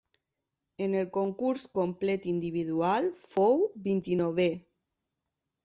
En el concurs complet individual fou vint-i-novè.